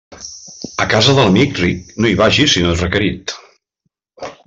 A casa de l'amic ric no hi vagis si no ets requerit.